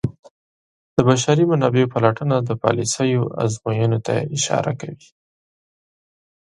د بشري منابعو پلټنه د پالیسیو ازموینې ته اشاره کوي.